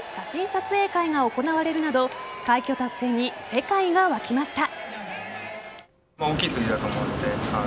撮影会が行われるなど快挙達成に世界が沸きました。